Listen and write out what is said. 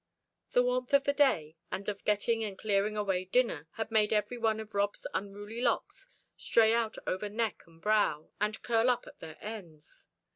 The warmth of the day, and of getting and clearing away dinner, had made every one of Rob's unruly locks stray out over neck and brow, and curl up at their ends.